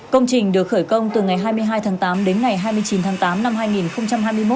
công trình được khởi công từ ngày hai mươi hai tháng tám đến ngày hai mươi chín tháng tám năm hai nghìn hai mươi một